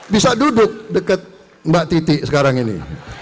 bisa duduk dekat mbak titi sekarang ini